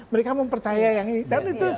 mereka mempercaya yang ini